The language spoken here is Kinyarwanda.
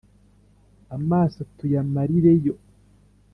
amaso tuyamarireyo